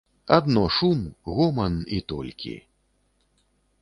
Адно шум, гоман, і толькі.